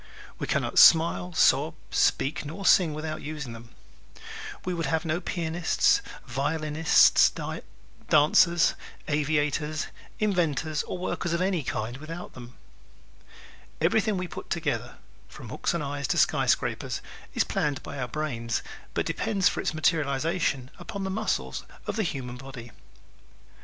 We can not smile, sob, speak nor sing without using them. We would have no pianists, violinists, dancers, aviators, inventors or workers of any kind without them. Everything we put together from hooks and eyes to skyscrapers is planned by our brains but depends for its materialization upon the muscles of the human body.